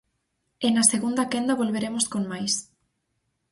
E na segunda quenda volveremos con máis.